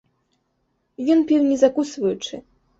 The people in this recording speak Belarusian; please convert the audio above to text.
Ён піў не закусваючы.